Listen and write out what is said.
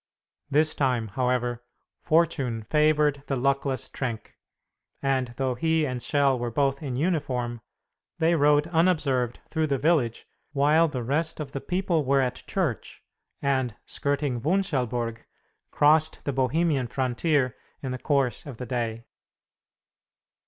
This time, however, fortune favored the luckless Trenck, and though he and Schell were both in uniform, they rode unobserved through the village while the rest of the people were at church, and, skirting Wunschelburg, crossed the Bohemian frontier in the course of the day.